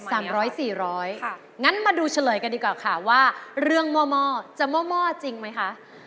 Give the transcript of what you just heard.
สามร้อยสี่ร้อยงั้นมาดูเฉลยกันดีกว่าค่ะว่าเรื่องม่อจะม่อจริงไหมคะ